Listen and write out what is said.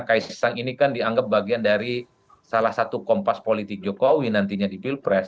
kaisang ini kan dianggap bagian dari salah satu kompas politik jokowi nantinya di pilpres